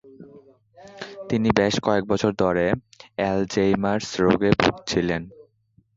তিনি বেশ কয়েক বছর ধরে আ্যলজেইমারস্ রোগে ভুগছিলেন।